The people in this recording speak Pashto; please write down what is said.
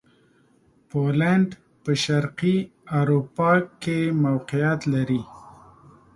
پولېنډ په شرقي اروپا کښې موقعیت لري.